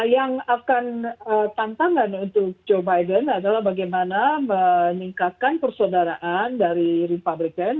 yang akan tantangan untuk joe biden adalah bagaimana meningkatkan persaudaraan dari rempabrican